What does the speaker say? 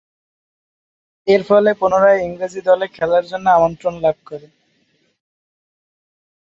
এরফলে পুনরায় ইংরেজ দলে খেলার জন্য আমন্ত্রণ লাভ করেন।